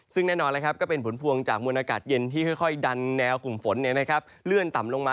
ซึ่งแน่นอนก็เป็นผลพวงจากมวลอากาศเย็นที่ค่อยดันแนวกลุ่มฝนเลื่อนต่ำลงมา